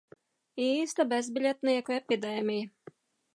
Īsta bezbiļetnieku epidēmija...